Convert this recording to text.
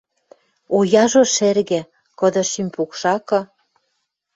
О яжо шӹргӹ, кыды шӱм покшакы